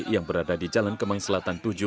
yang berada di jalan kemang selatan tujuh